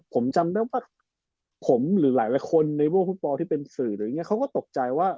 ผมจำได้ว่าผมหรือหลายคนในว่าผู้ปลอที่เป็นศือเขาก็ตกใจว่า